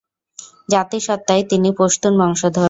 জাতিসত্ত্বায় তিনি পশতুন বংশধর।